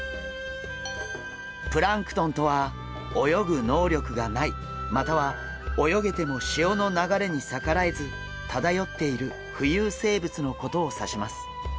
プランクトンとは泳ぐ能力がないまたは泳げても潮の流れに逆らえず漂っている浮遊生物のことを指します。